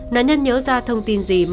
nạn nhân nhớ ra thông tin gì